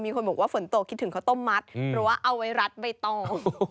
คนบอกว่าฝนตกคิดถึงข้าวต้มมัดหรือว่าเอาไว้รัดใบตอง